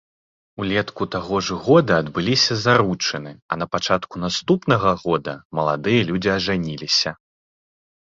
Улетку таго ж года адбыліся заручыны, а напачатку наступнага года маладыя людзі ажаніліся.